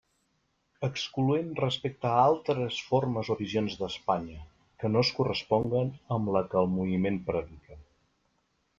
Excloent respecte a altres formes o visions d'Espanya que no es corresponguen amb la que el moviment predica.